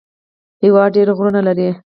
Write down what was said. هېواد ډېر غرونه لري